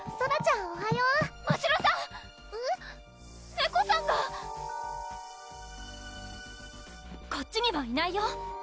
ネコさんがこっちにはいないよ